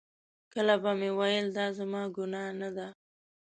کله به مې ویل دا زما ګناه نه ده.